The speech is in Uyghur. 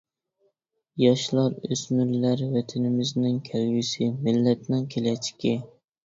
ياشلار، ئۆسمۈرلەر ۋەتىنىمىزنىڭ كەلگۈسى، مىللەتنىڭ كېلەچىكى.